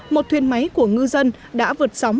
một thuyền máy của ngư dân đã vượt sóng